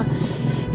kamu bisa di sini